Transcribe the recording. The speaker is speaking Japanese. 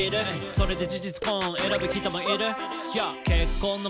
「それで事実婚選ぶ人もいる」